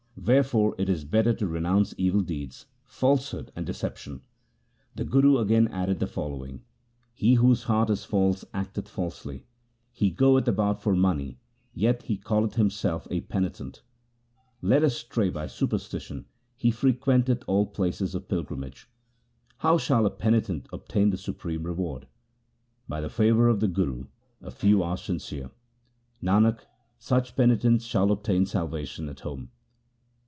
Wherefore it is better to re nounce evil deeds, falsehood, and deception.' The Guru again added the following :— He whose heart is false acteth falsely ; He goeth about for money, yet he calleth himself a peni tent ; Led astray by superstition he frequenteth all places of pilgrimage. How shall a penitent obtain the supreme reward ? By the favour of the Guru a few are sincere : Nanak, such penitents shall obtain salvation at home.